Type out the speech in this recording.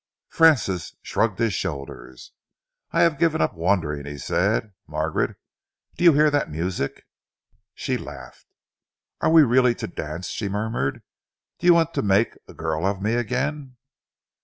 Francis shrugged his shoulders. "I have given up wondering," he said. "Margaret, do you hear that music?" She laughed. "Are we really to dance?" she murmured. "Do you want to make a girl of me again?"